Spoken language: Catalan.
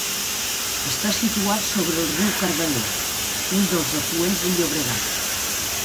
Està situat sobre el riu Cardener, un dels afluents del Llobregat.